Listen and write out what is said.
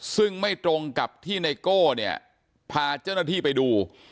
ซึ่งไม่ตรงกับที่ไนโก้เนี่ยพาเจ้าหน้าที่ไปดู